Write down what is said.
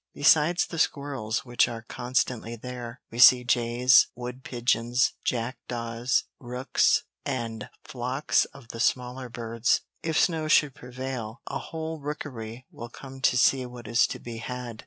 Besides the squirrels which are constantly there, we see jays, wood pigeons, jackdaws, rooks, and flocks of the smaller birds; if snow should prevail, a whole rookery will come to see what is to be had.